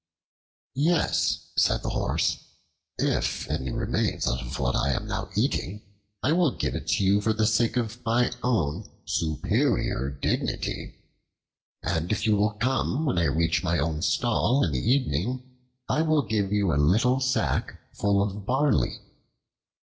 "Yes," said the Horse; "if any remains out of what I am now eating I will give it you for the sake of my own superior dignity, and if you will come when I reach my own stall in the evening, I will give you a little sack full of barley."